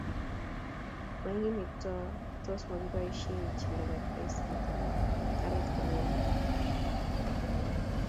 mainge Kiptoo tos mukuboisie Jelagat baiskilit anan karit konyone